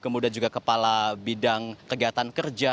kemudian juga kepala bidang kegiatan kerja